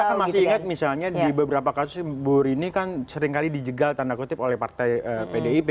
kita masih ingat misalnya di beberapa kasus bur ini kan seringkali dijegal oleh partai pdip